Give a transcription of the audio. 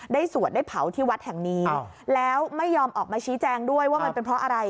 สวดได้เผาที่วัดแห่งนี้แล้วไม่ยอมออกมาชี้แจงด้วยว่ามันเป็นเพราะอะไร